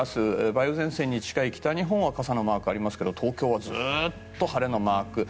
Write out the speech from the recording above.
梅雨前線に近い北日本は傘マークありますけど東京はずっと晴れのマーク。